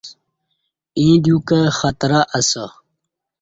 ییں دیوکہ خطرہ اسہ